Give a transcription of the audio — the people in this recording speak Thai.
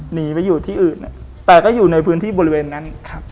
หนีไปอยู่ที่อื่นแต่ก็อยู่ในพื้นที่บริเวณนั้นครับ